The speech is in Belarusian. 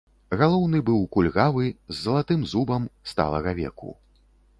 Галоўны быў кульгавы, з залатым зубам, сталага веку.